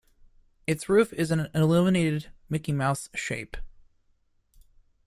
Its roof is an illuminated Mickey Mouse shape.